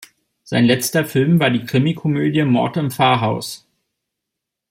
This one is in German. Sein letzter Film war die Krimikomödie "Mord im Pfarrhaus".